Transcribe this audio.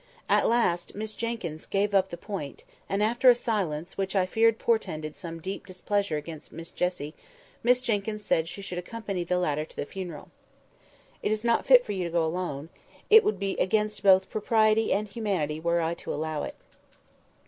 At last Miss Jenkyns gave up the point; and after a silence, which I feared portended some deep displeasure against Miss Jessie, Miss Jenkyns said she should accompany the latter to the funeral. "It is not fit for you to go alone. It would be against both propriety and humanity were I to allow it."